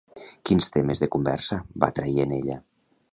Quins temes de conversa va traient ella?